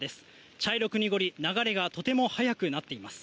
茶色く濁り流れがとても速くなっています。